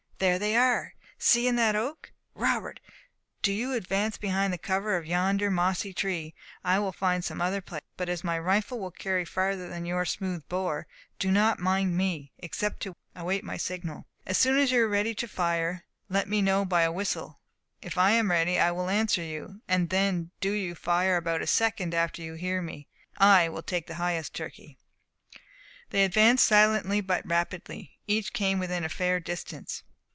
There they are! See in that oak! Robert, do you advance behind the cover of yonder mossy tree. I will find some other place. But as my rifle will carry farther than your smooth bore, do not mind me, except to await my signal. As soon as you are ready to fire, let me know by a whistle; if I am ready, I will answer you; and then do you fire about a second after you hear me. I will take the highest turkey." They advanced silently but rapidly. Each came within a fair distance.